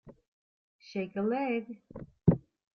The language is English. Shake a leg!